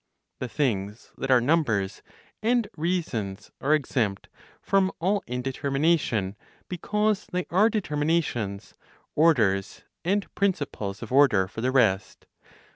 The things that are numbers and reasons are exempt from all indetermination, because they are determinations, orders, and principles of order for the rest.